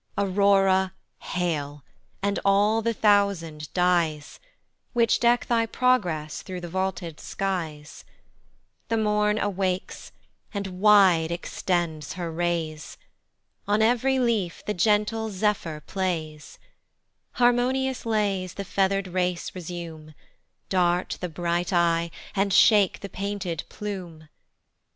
Aurora hail, and all the thousand dies, Which deck thy progress through the vaulted skies: The morn awakes, and wide extends her rays, On ev'ry leaf the gentle zephyr plays; Harmonious lays the feather'd race resume, Dart the bright eye, and shake the painted plume.